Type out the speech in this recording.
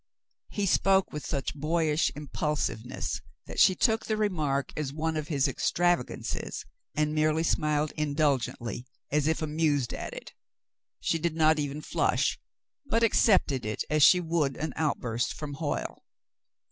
He spoke with such boyish impul siveness that she took the remark as one of his extrava gances, and merely smiled indulgently, as if amused at it. She did not even flush, but accepted it as she would an outburst from Hoyle.